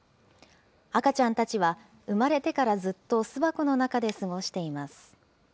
赤ちゃんたちは産まれてからずっと巣箱の中で過ごしています。